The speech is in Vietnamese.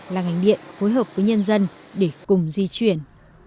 là ngành điện phối hợp với nhân dân để cùng di chuyển